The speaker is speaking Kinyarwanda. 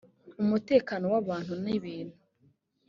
umutekano w abantu n ibintu